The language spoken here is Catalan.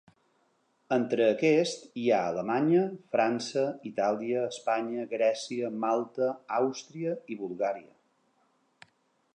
Entre aquest hi ha Alemanya, França, Itàlia, Espanya, Grècia, Malta, Àustria i Bulgària.